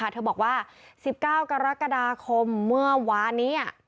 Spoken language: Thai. เธอบอกว่า๑๙กรกฎาคมเมื่อวานนี้